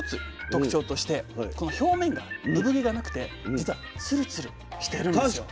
特徴としてこの表面が産毛がなくてじつはツルツルしてるんですよ。